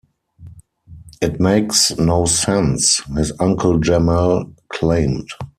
"It makes no sense," his uncle Jamal claimed.